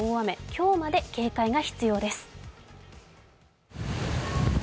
今日まで警戒が必要です。